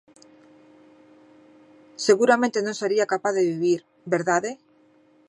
Seguramente non sería capaz de vivir, ¿verdade?